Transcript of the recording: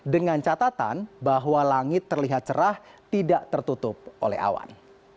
dengan catatan bahwa langit terlihat cerah tidak tertutup oleh awan